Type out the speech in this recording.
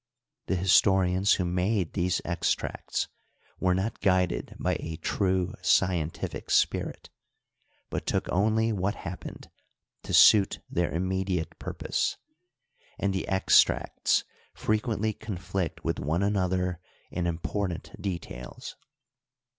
The histori ans who made these extracts were not guided by a true scientific spirit, but took only what happened to suit their immediate purpose, and the extracts frequently conflict with one another in important details.